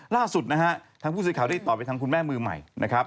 ล่าสุดนะฮะทางผู้สื่อข่าวได้ต่อไปทางคุณแม่มือใหม่นะครับ